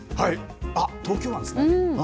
あっ、東京湾ですね。